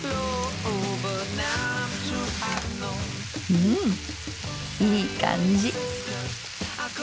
うんいい感じ。